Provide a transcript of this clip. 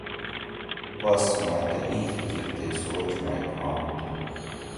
بس مئی تہ ایں فکر تے سوچ مئی کھانت